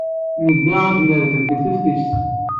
Nedda ad nerdeb deg teftist.